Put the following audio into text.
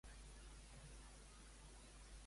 On predominava la veneració a Sanshin?